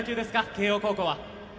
慶応高校は。